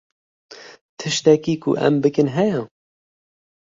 Tiştekî ku em bikin heye?